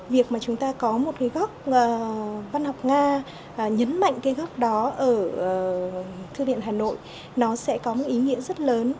việc mà chúng ta có một cái góc văn học nga nhấn mạnh cái góc đó ở thư viện hà nội nó sẽ có một ý nghĩa rất lớn